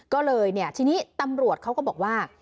ก็เลยเนี่ยทีนี้ตำรวจเขาก็บอกว่า